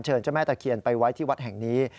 เจ้าแม่ตะเคียนไปไว้ที่วัดแห่งนี้